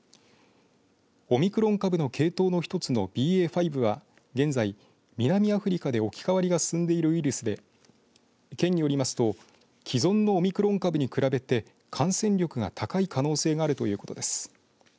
オミクロン株の系統の一つのＢＡ．５は現在、南アフリカで置き換わりが進んでいるウイルスで県によりますと既存のオミクロン株に比べて感染力が高い可能性があるということです。